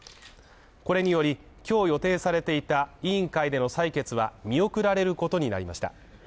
これにより、今日予定されていた委員会での採決は見送られることになりました。